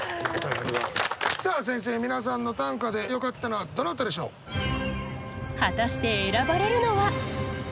さあ先生皆さんの短歌でよかったのはどなたでしょう？果たして選ばれるのは？